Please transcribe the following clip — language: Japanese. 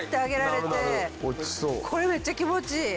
これめっちゃ気持ちいい。